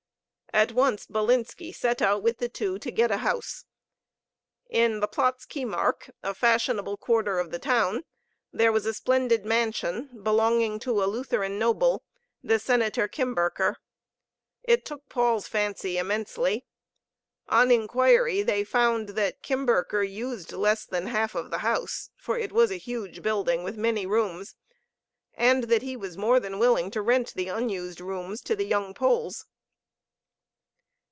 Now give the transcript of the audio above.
At once Bilinski set out with the two to get a house. In the Platz Kiemark, a fashionable quarter of the town, there was a splendid mansion, belonging to a Lutheran noble, the Senator Kimberker. It took Paul's fancy immensely. On inquiry, they found that Kimberker used less than half of the house, for it was a huge building with many rooms, and that he was more than willing to rent the unused rooms to the young Poles.